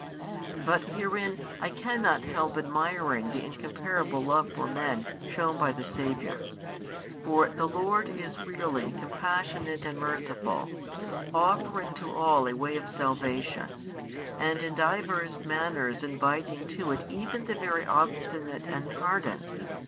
Bat herein I cannot help admiring the incomparable love for men shown by the Saviour. For the Lord is really compassionate and merciful, offering to all a way of salvation, and in divers manners inviting to it even the very obstinate and hardened.